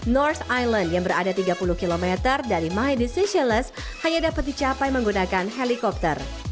nors island yang berada tiga puluh km dari my decisioless hanya dapat dicapai menggunakan helikopter